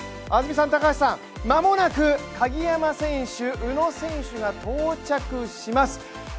安住さん、高橋さん、間もなく鍵山選手、宇野選手が到着します。